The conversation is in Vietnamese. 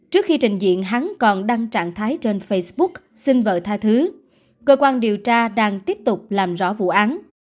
trong diện hắn còn đăng trạng thái trên facebook xin vợ tha thứ cơ quan điều tra đang tiếp tục làm rõ vụ án